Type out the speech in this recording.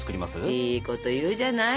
いいこと言うじゃない。